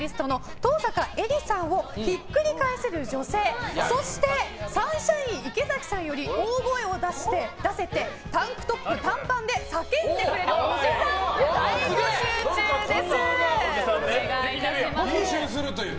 登坂絵莉さんをひっくり返せる女性そしてサンシャイン池崎さんより大声を出せてタンクトップ短パンで叫んでくれるおじさんをやった！